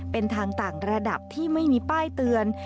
เป็นทางต่างระดับที่ไม่มีป้ายเตือน